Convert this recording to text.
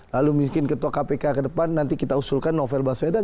lalu mungkin ketua kpk ke depan nanti kita usulkan novel baswedan